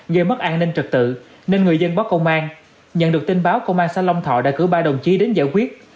gây mất an ninh trật tự nên người dân báo công an nhận được tin báo công an xã long thọ đã cử ba đồng chí đến giải quyết